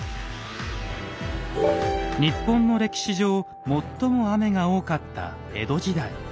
日本の歴史上最も雨が多かった江戸時代。